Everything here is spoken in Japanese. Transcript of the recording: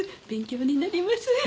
勉強になります。